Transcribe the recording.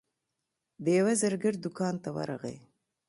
د یوه زرګر دوکان ته ورغی.